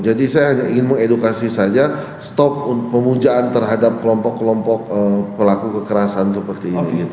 jadi saya ingin mengedukasi saja stop pemujaan terhadap kelompok kelompok pelaku kekerasan seperti ini